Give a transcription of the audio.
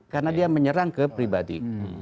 karena dia menyerang ke pribadi